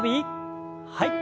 はい。